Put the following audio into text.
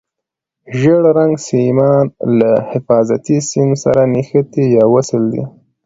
ژیړ رنګ سیمان له حفاظتي سیم سره نښتي یا وصل دي.